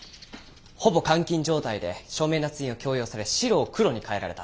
ほぼ監禁状態で署名捺印を強要され白を黒に変えられた。